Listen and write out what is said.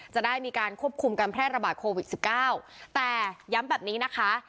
จะได้มีการควบคุมการแพร่ระบาดโควิดสิบเก้าแต่ย้ำแบบนี้นะคะ